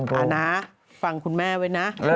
เอานะฟังคุณแม่ไว้นะ